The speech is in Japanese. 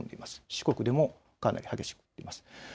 四国でもかなり激しく降っています。